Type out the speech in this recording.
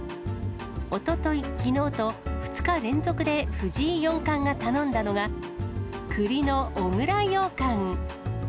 おととい、きのうと２日連続で、藤井四冠が頼んだのが、くりの小倉ようかん。